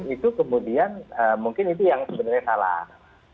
itu kemudian mungkin itu yang sebenarnya salah